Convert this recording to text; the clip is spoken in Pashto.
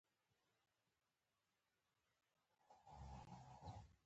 چې له مقاماتو سره یا واکمنې کورنۍ سره تړاو ولرئ.